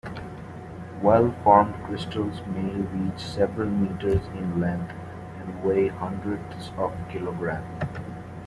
Well-formed crystals may reach several meters in length and weigh hundreds of kilograms.